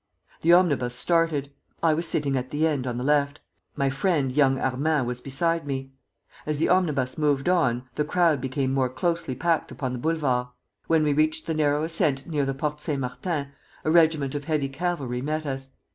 The omnibus started. I was sitting at the end on the left, my friend young Armand was beside me. As the omnibus moved on, the crowd became more closely packed upon the Boulevard. When we reached the narrow ascent near the Porte Saint Martin, a regiment of heavy cavalry met us.